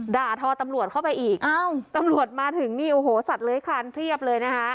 ด่าทอตำรวจเข้าไปอีกอ้าวตำรวจมาถึงนี่โอ้โหสัตว์เลื้อยคลานเพียบเลยนะคะ